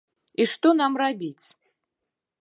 І што нам рабіць?